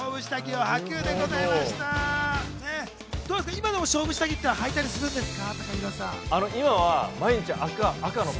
今でも勝負下着、はいたりするんですか？